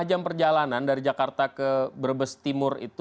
empat lima jam perjalanan dari jakarta ke berbestimur itu